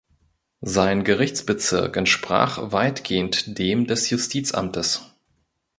Sein Gerichtsbezirk entsprach weitgehend dem des Justizamtes.